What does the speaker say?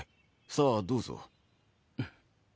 さあどうぞ。